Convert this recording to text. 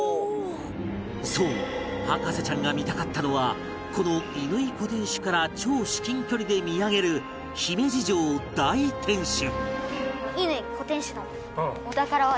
そう博士ちゃんが見たかったのはこの乾小天守から超至近距離で見上げる姫路城大天守